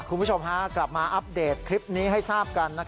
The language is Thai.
คุณผู้ชมกลับมาอัปเดตคลิปนี้ให้ทราบกัน